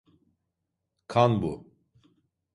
Kan bu.